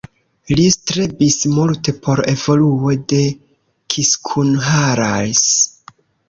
Li strebis multe por evoluo de Kiskunhalas.